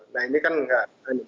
nah ini kan tidak